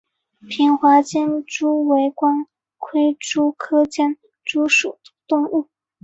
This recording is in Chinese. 平滑间蛛为光盔蛛科间蛛属的动物。